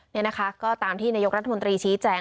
นี่นะคะก็ตามที่นายกรัฐมนตรีชี้แจง